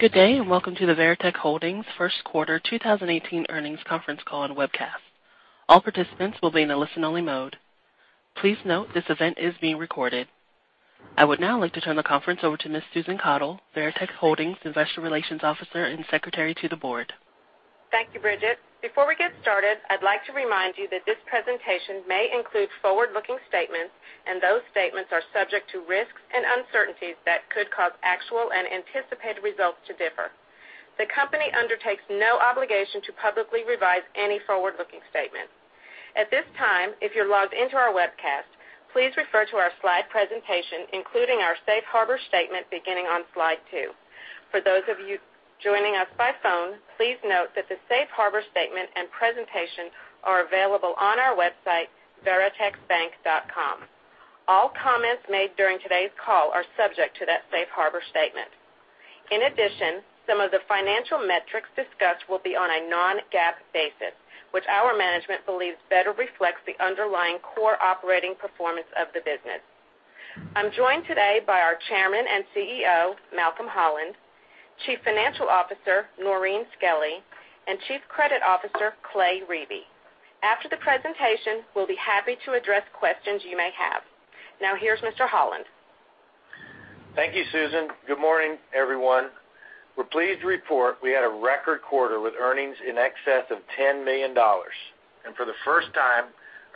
Good day. Welcome to the Veritex Holdings first quarter 2018 earnings conference call and webcast. All participants will be in a listen-only mode. Please note, this event is being recorded. I would now like to turn the conference over to Ms. Susan Caudle, Veritex Holdings Investor Relations Officer and Secretary to the Board. Thank you, Bridget. Before we get started, I'd like to remind you that this presentation may include forward-looking statements. Those statements are subject to risks and uncertainties that could cause actual and anticipated results to differ. The company undertakes no obligation to publicly revise any forward-looking statement. At this time, if you're logged into our webcast, please refer to our slide presentation, including our safe harbor statement, beginning on slide two. For those of you joining us by phone, please note that the safe harbor statement and presentation are available on our website, veritexbank.com. All comments made during today's call are subject to that safe harbor statement. In addition, some of the financial metrics discussed will be on a non-GAAP basis, which our management believes better reflects the underlying core operating performance of the business. I'm joined today by our Chairman and CEO, Malcolm Holland, Chief Financial Officer, Noreen Skelly, and Chief Credit Officer, Clay Riebe. After the presentation, we'll be happy to address questions you may have. Now, here's Mr. Holland. Thank you, Susan. Good morning, everyone. We're pleased to report we had a record quarter with earnings in excess of $10 million. For the first time,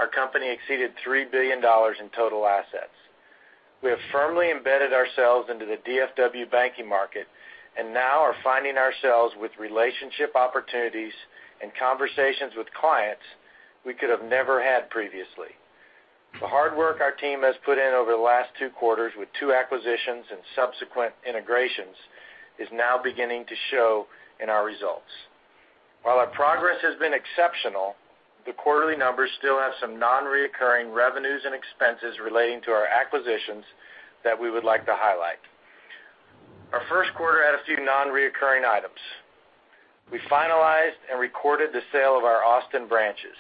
our company exceeded $3 billion in total assets. We have firmly embedded ourselves into the DFW banking market and now are finding ourselves with relationship opportunities and conversations with clients we could have never had previously. The hard work our team has put in over the last two quarters with two acquisitions and subsequent integrations is now beginning to show in our results. While our progress has been exceptional, the quarterly numbers still have some non-reoccurring revenues and expenses relating to our acquisitions that we would like to highlight. Our first quarter had a few non-reoccurring items. We finalized and recorded the sale of our Austin branches.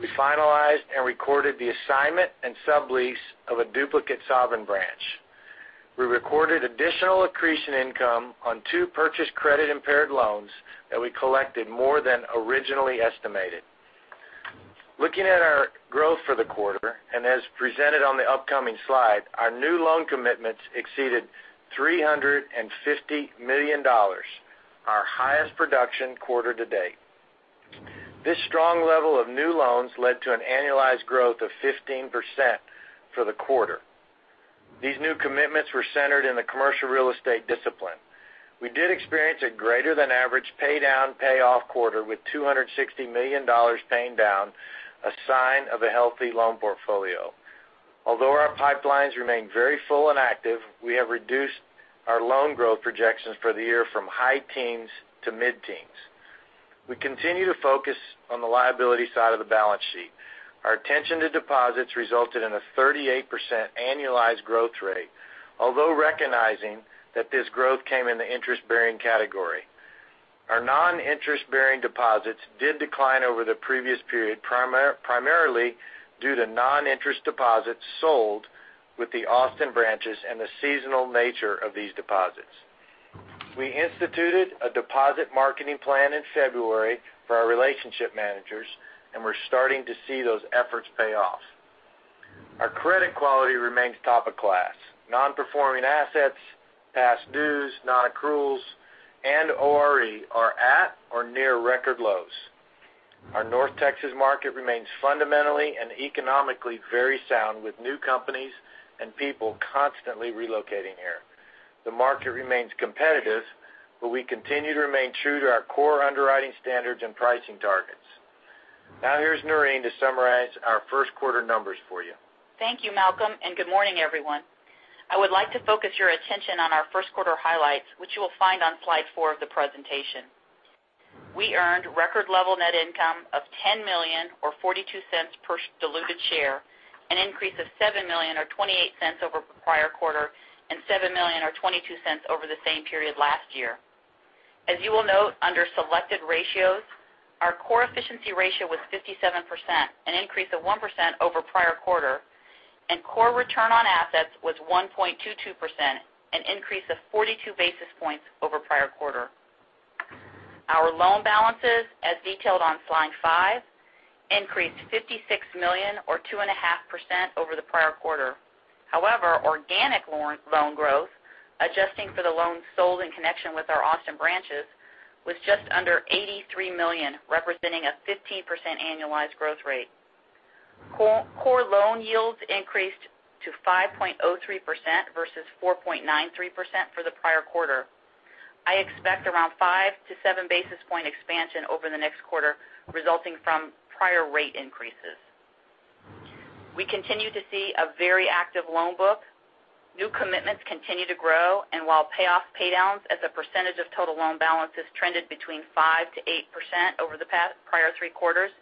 We finalized and recorded the assignment and sublease of a duplicate Sovereign branch. We recorded additional accretion income on two purchased credit-impaired loans that we collected more than originally estimated. Looking at our growth for the quarter, as presented on the upcoming slide, our new loan commitments exceeded $350 million, our highest production quarter to date. This strong level of new loans led to an annualized growth of 15% for the quarter. These new commitments were centered in the commercial real estate discipline. We did experience a greater than average pay-down, pay-off quarter with $260 million paying down, a sign of a healthy loan portfolio. Although our pipelines remain very full and active, we have reduced our loan growth projections for the year from high teens to mid-teens. We continue to focus on the liability side of the balance sheet. Our attention to deposits resulted in a 38% annualized growth rate, although recognizing that this growth came in the interest-bearing category. Our non-interest-bearing deposits did decline over the previous period, primarily due to non-interest deposits sold with the Austin branches and the seasonal nature of these deposits. We instituted a deposit marketing plan in February for our relationship managers, we're starting to see those efforts pay off. Our credit quality remains top of class. Non-performing assets, past dues, non-accruals, and ORE are at or near record lows. Our North Texas market remains fundamentally and economically very sound, with new companies and people constantly relocating here. The market remains competitive, we continue to remain true to our core underwriting standards and pricing targets. Now, here's Noreen to summarize our first-quarter numbers for you. Thank you, Malcolm, good morning, everyone. I would like to focus your attention on our first-quarter highlights, which you will find on slide four of the presentation. We earned record level net income of $10 million or $0.42 per diluted share, an increase of $7 million or $0.28 over the prior quarter and $7 million or $0.22 over the same period last year. As you will note, under selected ratios, our core efficiency ratio was 57%, an increase of 1% over the prior quarter, core return on assets was 1.22%, an increase of 42 basis points over the prior quarter. Our loan balances, as detailed on slide five, increased to $56 million or 2.5% over the prior quarter. However, organic loan growth, adjusting for the loans sold in connection with our Austin branches, was just under $83 million, representing a 15% annualized growth rate. Core loan yields increased to 5.03% versus 4.93% for the prior quarter. I expect around five to seven basis point expansion over the next quarter, resulting from prior rate increases. We continue to see a very active loan book. New commitments continue to grow, while payoffs, paydowns as a percentage of total loan balances trended between 5%-8% over the prior three quarters,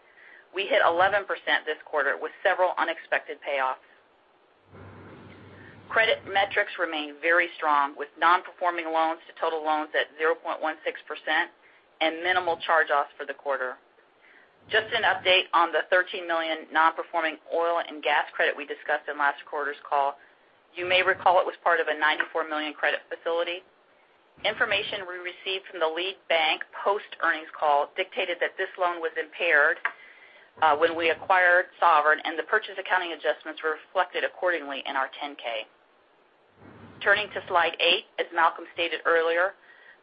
we hit 11% this quarter with several unexpected payoffs. Credit metrics remain very strong, with non-performing loans to total loans at 0.16% minimal charge-offs for the quarter. Just an update on the $13 million non-performing oil and gas credit we discussed in last quarter's call. You may recall it was part of a $94 million credit facility. Information we received from the lead bank post-earnings call dictated that this loan was impaired when we acquired Sovereign, and the purchase accounting adjustments were reflected accordingly in our 10-K. Turning to slide eight, as Malcolm stated earlier,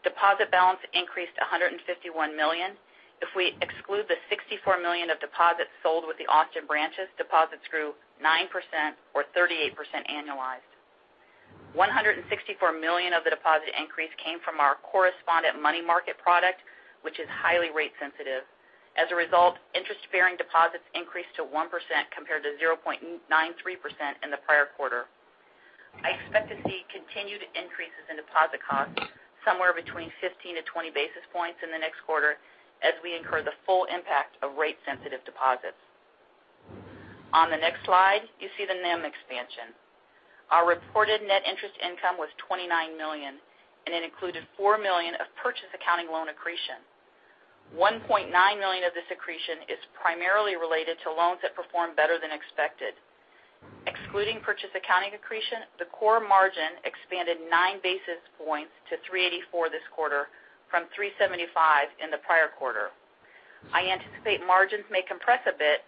deposit balance increased to $151 million. If we exclude the $64 million of deposits sold with the Austin branches, deposits grew 9% or 38% annualized. $164 million of the deposit increase came from our correspondent money market product, which is highly rate sensitive. As a result, interest-bearing deposits increased to 1% compared to 0.93% in the prior quarter. I expect to see continued increases in deposit costs, somewhere between 15 to 20 basis points in the next quarter, as we incur the full impact of rate-sensitive deposits. On the next slide, you see the NIM expansion. Our reported net interest income was $29 million, and it included $4 million of purchase accounting loan accretion. $1.9 million of this accretion is primarily related to loans that performed better than expected. Excluding purchase accounting accretion, the core margin expanded nine basis points to 384 this quarter from 375 in the prior quarter. I anticipate margins may compress a bit,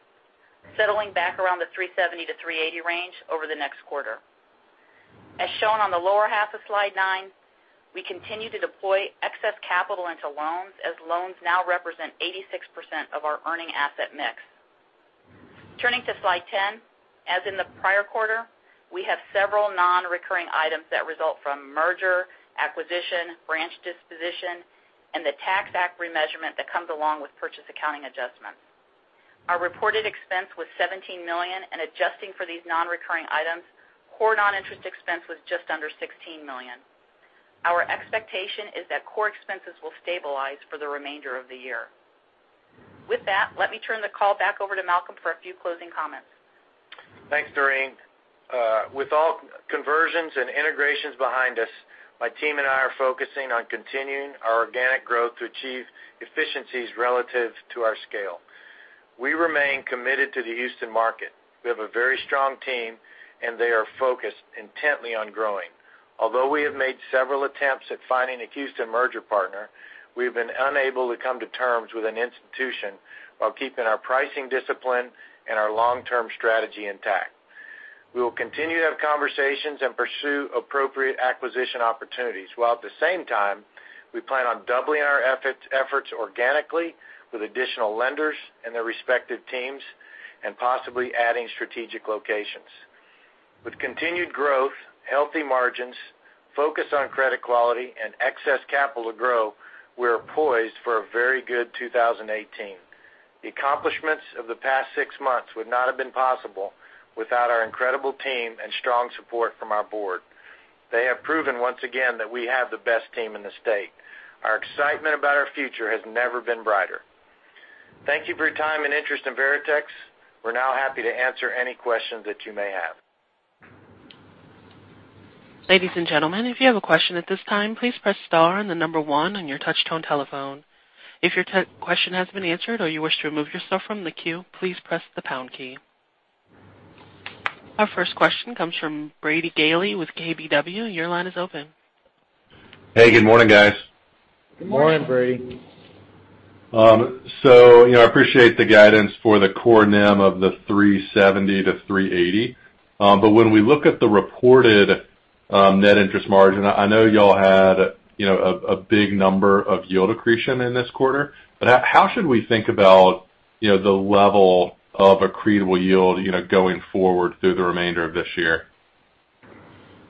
settling back around the 370 to 380 range over the next quarter. As shown on the lower half of slide nine, we continue to deploy excess capital into loans as loans now represent 86% of our earning asset mix. Turning to slide 10, as in the prior quarter, we have several non-recurring items that result from merger, acquisition, branch disposition, and the Tax Act remeasurement that comes along with purchase accounting adjustments. Our reported expense was $17 million, and adjusting for these non-recurring items, core non-interest expense was just under $16 million. Our expectation is that core expenses will stabilize for the remainder of the year. With that, let me turn the call back over to Malcolm for a few closing comments. Thanks, Noreen. With all conversions and integrations behind us, my team and I are focusing on continuing our organic growth to achieve efficiencies relative to our scale. We remain committed to the Houston market. We have a very strong team, and they are focused intently on growing. Although we have made several attempts at finding a Houston merger partner, we've been unable to come to terms with an institution while keeping our pricing discipline and our long-term strategy intact. We will continue to have conversations and pursue appropriate acquisition opportunities, while at the same time, we plan on doubling our efforts organically with additional lenders and their respective teams and possibly adding strategic locations. With continued growth, healthy margins, focus on credit quality and excess capital to grow, we're poised for a very good 2018. The accomplishments of the past six months would not have been possible without our incredible team and strong support from our board. They have proven once again that we have the best team in the state. Our excitement about our future has never been brighter. Thank you for your time and interest in Veritex. We're now happy to answer any questions that you may have. Ladies and gentlemen, if you have a question at this time, please press star and the number one on your touch-tone telephone. If your question has been answered or you wish to remove yourself from the queue, please press the pound key. Our first question comes from Brady Gailey with KBW. Your line is open. Hey, good morning, guys. Good morning. Morning, Brady. I appreciate the guidance for the core NIM of the 370 to 380. When we look at the reported net interest margin, I know you all had a big number of yield accretion in this quarter, how should we think about the level of accretable yield going forward through the remainder of this year?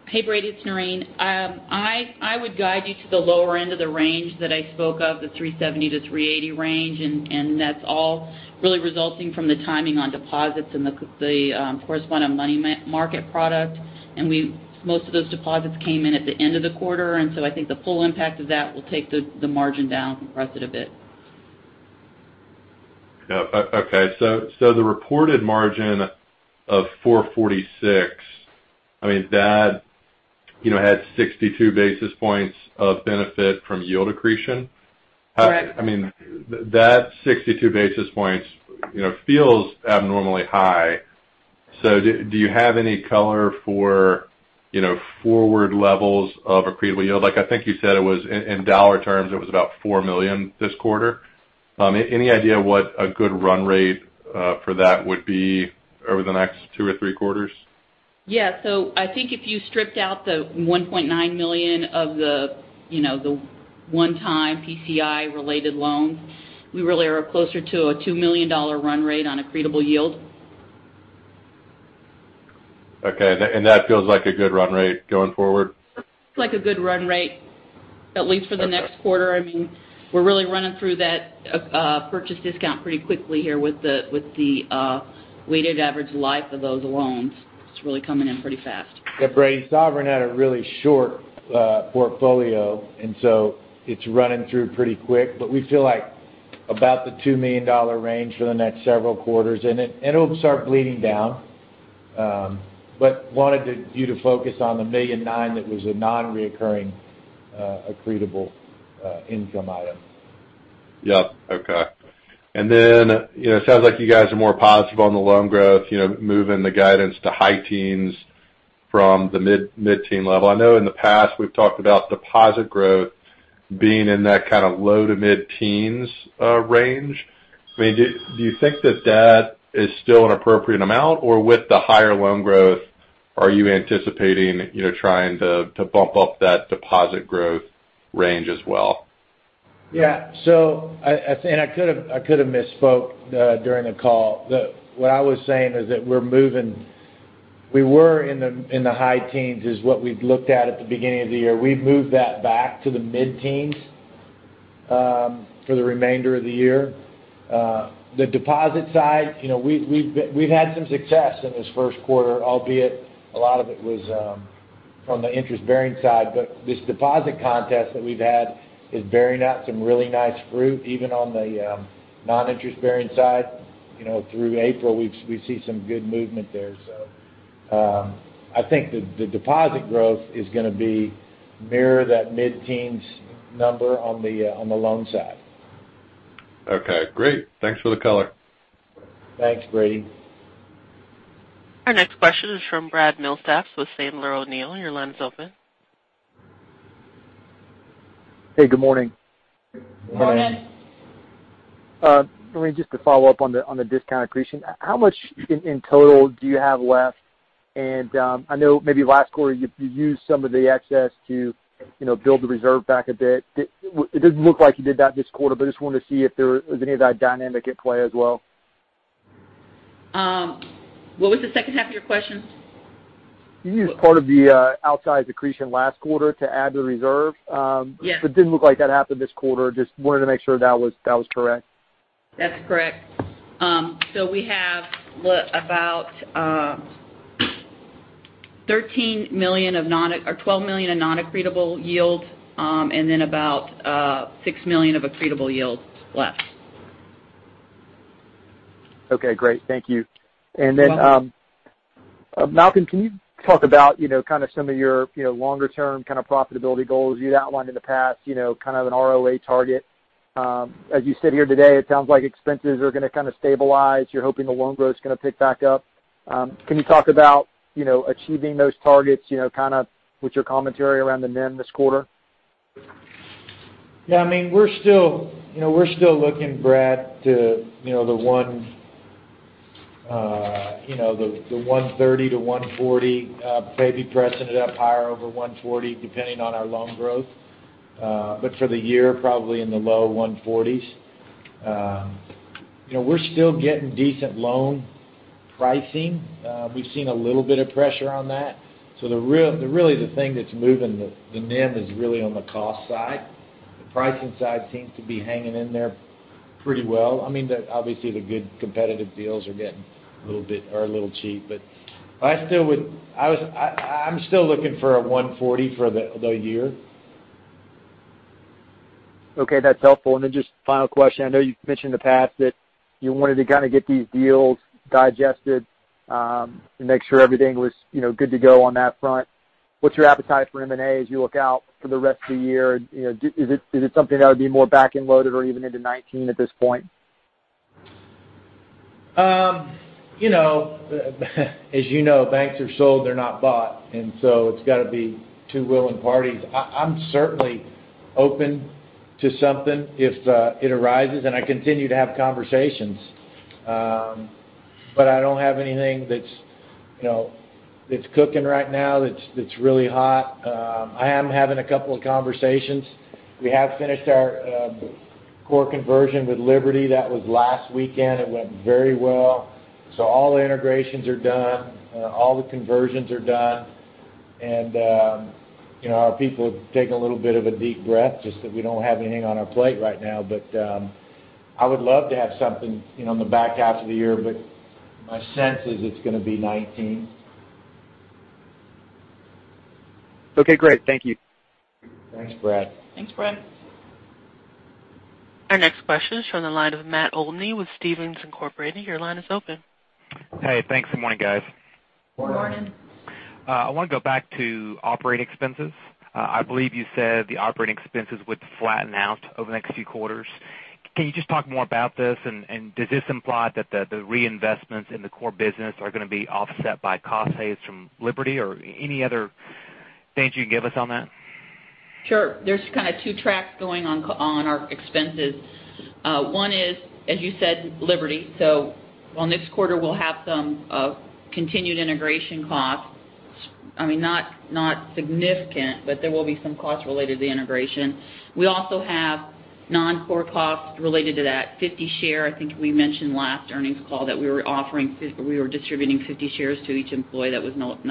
Hey, Brady, it's Noreen. I would guide you to the lower end of the range that I spoke of, the 370 to 380 range, that's all really resulting from the timing on deposits and the correspondent money market product. Most of those deposits came in at the end of the quarter. I think the full impact of that will take the margin down and compress it a bit. Okay. The reported margin of 446, that had 62 basis points of benefit from yield accretion. Correct. That 62 basis points feels abnormally high. Do you have any color for forward levels of accretable yield? I think you said it was in dollar terms, it was about $4 million this quarter. Any idea what a good run rate for that would be over the next two or three quarters? Yeah. I think if you stripped out the $1.9 million of the one-time PCI related loans, we really are closer to a $2 million run rate on accretable yield. Okay. That feels like a good run rate going forward? Feels like a good run rate, at least for the next quarter. I mean, we're really running through that purchase discount pretty quickly here with the weighted average life of those loans. It's really coming in pretty fast. Brady, Sovereign Bank had a really short portfolio, so it's running through pretty quick. We feel like about the $2 million range for the next several quarters, and it'll start bleeding down. Wanted you to focus on the $1.9 million that was a non-recurring, accretable income item. Yep. Okay. It sounds like you guys are more positive on the loan growth, moving the guidance to high teens from the mid-teen level. I know in the past we've talked about deposit growth being in that kind of low to mid-teens range. Do you think that that is still an appropriate amount? With the higher loan growth, are you anticipating trying to bump up that deposit growth range as well? Yeah. I could have misspoke during the call. What I was saying is that we were in the high teens is what we'd looked at at the beginning of the year. We've moved that back to the mid-teens for the remainder of the year. The deposit side, we've had some success in this first quarter, albeit a lot of it was from the interest-bearing side. This deposit contest that we've had is bearing out some really nice fruit, even on the non-interest-bearing side. Through April, we see some good movement there. I think the deposit growth is going to mirror that mid-teens number on the loan side. Okay, great. Thanks for the color. Thanks, Brady. Our next question is from Brad Milsaps with Sandler O'Neill. Your line is open. Hey, good morning. Morning. I mean, just to follow up on the discount accretion, how much in total do you have left? I know maybe last quarter you used some of the excess to build the reserve back a bit. It doesn't look like you did that this quarter, but just wanted to see if there was any of that dynamic at play as well. What was the second half of your question? You used part of the outside accretion last quarter to add to the reserve. Yes. Didn't look like that happened this quarter. Just wanted to make sure that was correct. That's correct. We have about $12 million of non-accretable yield, and about $6 million of accretable yield left. Okay, great. Thank you. You're welcome. Malcolm, can you talk about kind of some of your longer term kind of profitability goals you'd outlined in the past, kind of an ROA target. As you sit here today, it sounds like expenses are going to kind of stabilize. You're hoping the loan growth's going to pick back up. Can you talk about achieving those targets, kind of with your commentary around the NIM this quarter? Yeah, we're still looking, Brad, to the one 130 to 140, maybe pressing it up higher over 140, depending on our loan growth. For the year, probably in the low 140s. We're still getting decent loan pricing. We've seen a little bit of pressure on that. Really the thing that's moving the NIM is really on the cost side. The pricing side seems to be hanging in there pretty well. Obviously, the good competitive deals are a little cheap, but I'm still looking for a 140 for the year. Okay, that's helpful. Just final question. I know you've mentioned in the past that you wanted to kind of get these deals digested, and make sure everything was good to go on that front. What's your appetite for M&A as you look out for the rest of the year? Is it something that would be more back-end loaded or even into 2019 at this point? As you know, banks are sold, they're not bought. It's got to be two willing parties. I'm certainly open to something if it arises, and I continue to have conversations. I don't have anything that's cooking right now, that's really hot. I am having a couple of conversations. We have finished our core conversion with Liberty. That was last weekend. It went very well. All the integrations are done. All the conversions are done. Our people have taken a little bit of a deep breath, just that we don't have anything on our plate right now. I would love to have something in the back half of the year, but my sense is it's going to be 2019. Okay, great. Thank you. Thanks, Brad. Thanks, Brad. Our next question is from the line of Matt Olney with Stephens Inc. Your line is open. Hey, thanks, morning, guys. Morning. Morning. I want to go back to operating expenses. I believe you said the operating expenses would flatten out over the next few quarters. Can you just talk more about this? Does this imply that the reinvestments in the core business are going to be offset by cost saves from Liberty or any other things you can give us on that? Sure. There's kind of two tracks going on our expenses. One is, as you said, Liberty. On this quarter, we'll have some continued integration costs. I mean, not significant, but there will be some costs related to the integration. We also have non-core costs related to that 50 shares. I think we mentioned last earnings call that we were distributing 50 shares to each employee that was not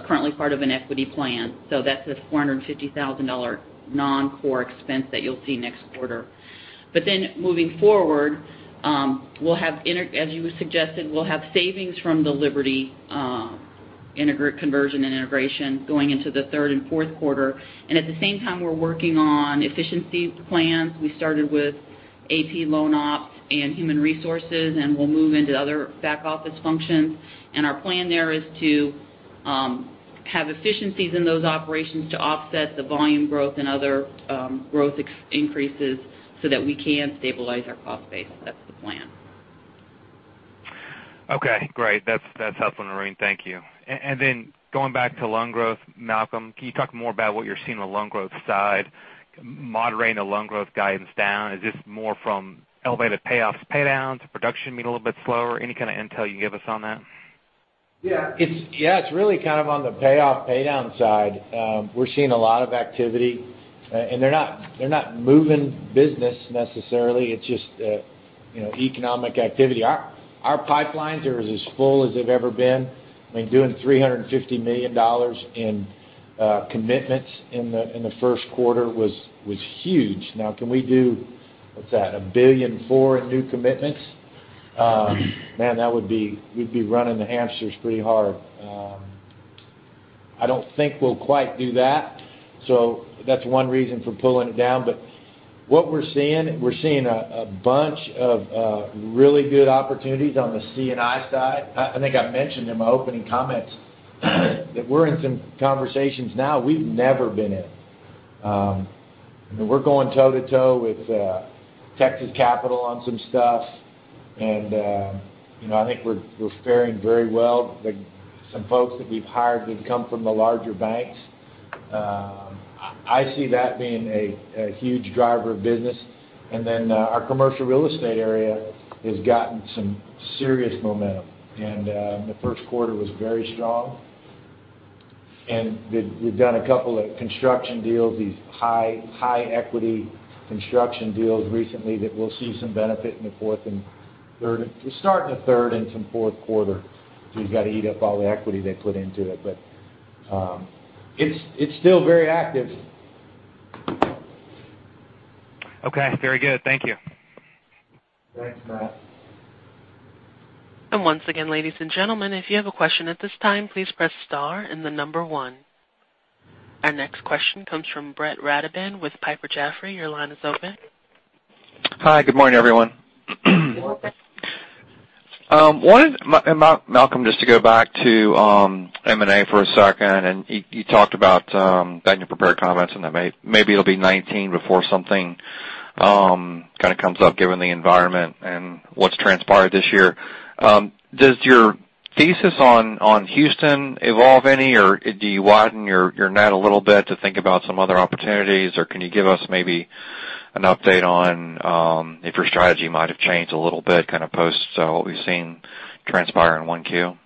currently part of an equity plan. That's a $450,000 non-core expense that you'll see next quarter. Moving forward, as you suggested, we'll have savings from the Liberty Integrate conversion and integration going into the third and fourth quarter. At the same time, we're working on efficiency plans. We started with AP loan ops and human resources, and we'll move into other back office functions. Our plan there is to have efficiencies in those operations to offset the volume growth and other growth increases so that we can stabilize our cost base. That's the plan. Okay, great. That's helpful, Noreen. Thank you. Then going back to loan growth, Malcolm, can you talk more about what you're seeing on the loan growth side, moderating the loan growth guidance down. Is this more from elevated payoffs, pay downs, production being a little bit slower? Any kind of intel you can give us on that? Yeah, it's really on the payoff pay down side. We're seeing a lot of activity, and they're not moving business necessarily. It's just economic activity. Our pipelines are as full as they've ever been. Doing $350 million in commitments in the first quarter was huge. Can we do, what's that, $1.4 billion in new commitments? Man, we'd be running the hamsters pretty hard. I don't think we'll quite do that. That's one reason for pulling it down. What we're seeing, we're seeing a bunch of really good opportunities on the C&I side. I think I mentioned in my opening comments that we're in some conversations now we've never been in. We're going toe to toe with Texas Capital on some stuff, I think we're faring very well. Some folks that we've hired who've come from the larger banks. I see that being a huge driver of business. Our commercial real estate area has gotten some serious momentum. The first quarter was very strong. We've done a couple of construction deals, these high equity construction deals recently that we'll see some benefit in the fourth and third. We'll start in the third and some fourth quarter because we've got to eat up all the equity they put into it. It's still very active. Okay. Very good. Thank you. Thanks, Matt. Once again, ladies and gentlemen, if you have a question at this time, please press star and the number one. Our next question comes from Brett Rabatin with Piper Jaffray. Your line is open. Hi, good morning, everyone. Malcolm, just to go back to M&A for a second. You talked about that in your prepared comments, that maybe it'll be 2019 before something comes up given the environment and what's transpired this year. Does your thesis on Houston evolve any, or do you widen your net a little bit to think about some other opportunities, or can you give us maybe an update on if your strategy might have changed a little bit, post what we've seen transpire in 1Q?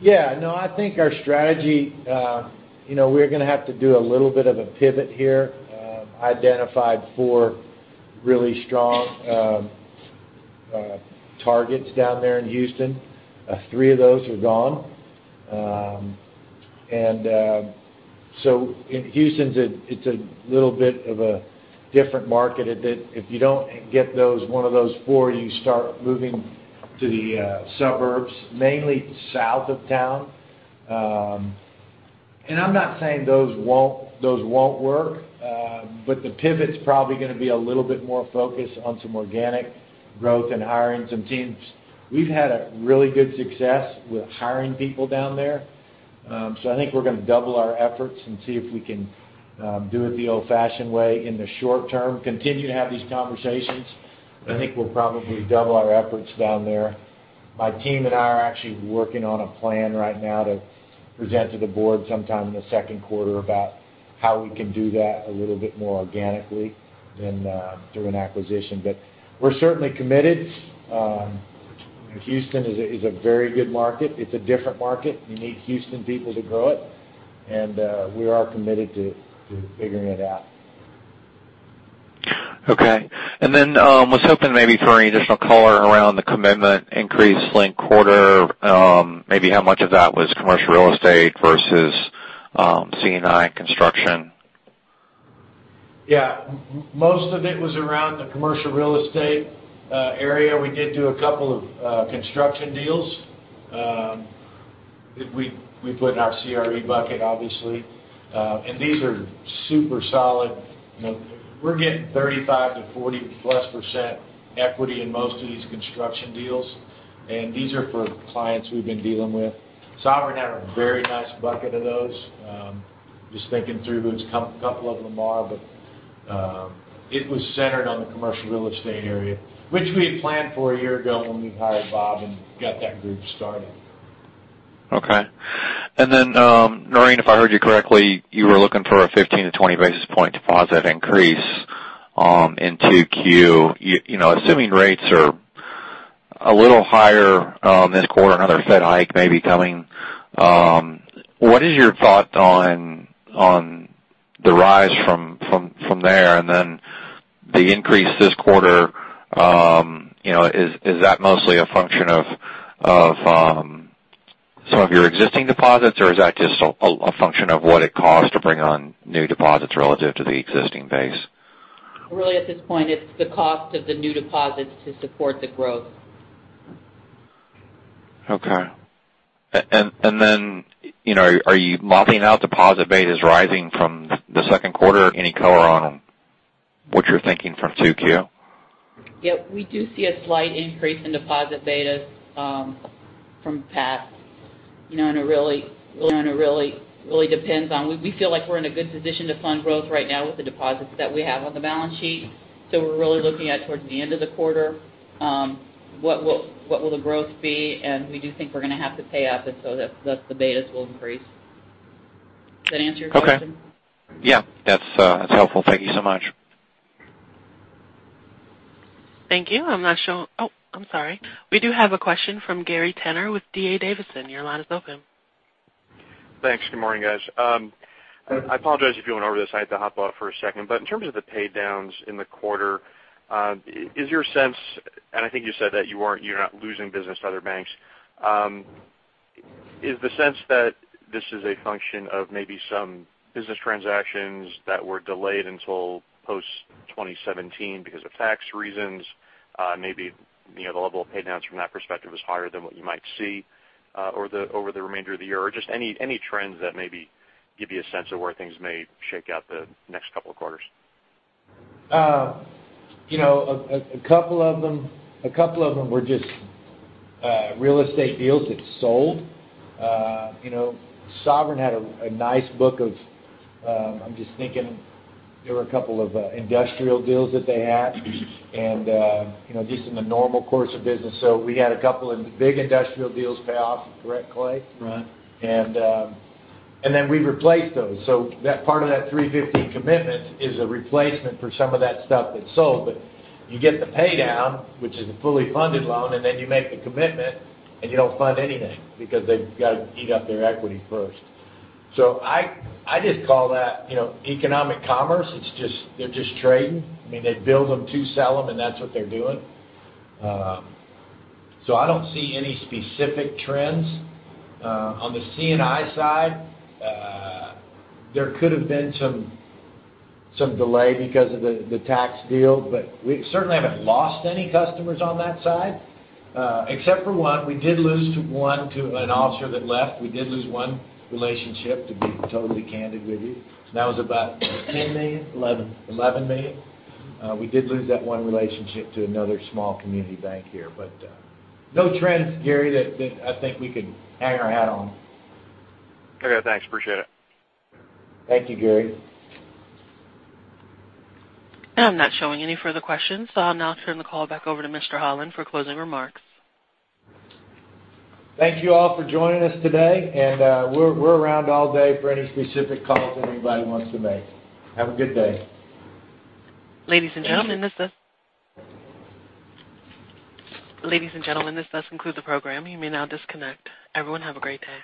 Yeah. No, I think our strategy, we're going to have to do a little bit of a pivot here. Identified four really strong targets down there in Houston. Three of those are gone. Houston, it's a little bit of a different market. If you don't get one of those four, you start moving to the suburbs, mainly south of town. I'm not saying those won't work. The pivot's probably going to be a little bit more focused on some organic growth and hiring some teams. We've had a really good success with hiring people down there. I think we're going to double our efforts and see if we can do it the old-fashioned way in the short term, continue to have these conversations. I think we'll probably double our efforts down there. My team and I are actually working on a plan right now to present to the board sometime in the second quarter about how we can do that a little bit more organically than through an acquisition. We're certainly committed. Houston is a very good market. It's a different market. You need Houston people to grow it. We are committed to figuring it out. Okay. I was hoping maybe for any additional color around the commitment increase linked quarter. Maybe how much of that was commercial real estate versus C&I construction. Yeah. Most of it was around the commercial real estate area. We did do a couple of construction deals that we put in our CRE bucket, obviously. These are super solid. We're getting 35 to 40-plus percent equity in most of these construction deals, and these are for clients we've been dealing with. Sovereign had a very nice bucket of those. Just thinking through who's couple of them are, but it was centered on the commercial real estate area, which we had planned for a year ago when we hired Bob and got that group started. Okay. Noreen, if I heard you correctly, you were looking for a 15- to 20-basis point deposit increase in 2Q. Assuming rates are a little higher this quarter, another Fed hike may be coming. What is your thought on the rise from there, the increase this quarter, is that mostly a function of some of your existing deposits, or is that just a function of what it costs to bring on new deposits relative to the existing base? Really at this point, it's the cost of the new deposits to support the growth. Okay. Are you modeling out deposit betas rising from the second quarter? Any color on what you're thinking from 2Q? We do see a slight increase in deposit betas from past. It really depends on. We feel like we're in a good position to fund growth right now with the deposits that we have on the balance sheet. We're really looking at towards the end of the quarter, what will the growth be, and we do think we're going to have to pay up, thus, the betas will increase. Does that answer your question? Okay. Yeah. That's helpful. Thank you so much. Thank you. I'm not showing. I'm sorry. We do have a question from Gary Tenner with D.A. Davidson. Your line is open. Thanks. Good morning, guys. I apologize if you went over this. I had to hop off for a second. In terms of the pay downs in the quarter, is your sense, and I think you said that you're not losing business to other banks. Is the sense that this is a function of maybe some business transactions that were delayed until post 2017 because of tax reasons? Maybe the level of pay downs from that perspective is higher than what you might see over the remainder of the year. Just any trends that maybe give you a sense of where things may shake out the next couple of quarters. A couple of them were just real estate deals that sold. Sovereign Bank had a nice book of. I'm just thinking there were a couple of industrial deals that they had, and just in the normal course of business. We had a couple of big industrial deals pay off. Is that correct, Clay? Right. We replaced those. That part of that 350 commitment is a replacement for some of that stuff that sold. You get the pay down, which is a fully funded loan, and then you make the commitment, and you don't fund anything because they've got to eat up their equity first. I just call that economic commerce. They're just trading. They build them to sell them, and that's what they're doing. I don't see any specific trends. On the C&I side, there could have been some delay because of the tax deal, but we certainly haven't lost any customers on that side. Except for one. We did lose one to an officer that left. We did lose one relationship, to be totally candid with you. That was about $10 million? Eleven. $11 million. We did lose that one relationship to another small community bank here. No trends, Gary, that I think we could hang our hat on. Okay. Thanks. Appreciate it. Thank you, Gary. I'm not showing any further questions. I'll now turn the call back over to Mr. Holland for closing remarks. Thank you all for joining us today. We're around all day for any specific calls that anybody wants to make. Have a good day. Ladies and gentlemen, this does conclude the program. You may now disconnect. Everyone, have a great day.